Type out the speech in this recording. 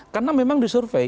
karena memang disurvey